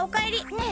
ねえ！